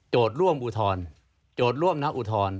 ร่วมอุทธรณ์โจทย์ร่วมนะอุทธรณ์